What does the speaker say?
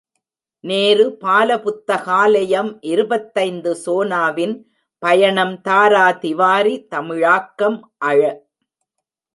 நேரு பால புத்தகாலயம் இருபத்தைந்து சோனாவின் பயணம் தாரா திவாரி தமிழாக்கம் அழ.